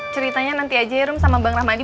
ceritanya nanti aja erum sama bang rahmadi